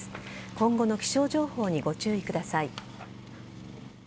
今後の気象情報にご注意ください。